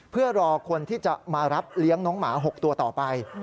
เพื่อรอคนที่จะมารับเลี้ยงน้องหมา๖ตัวต่อไป